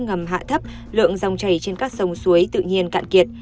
ngầm hạ thấp lượng dòng chảy trên các sông suối tự nhiên cạn kiệt